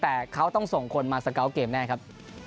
แต่เขาต้องส่งคนมาสเกาะเกมแน่ครับ